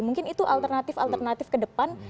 mungkin itu alternatif alternatif ke depan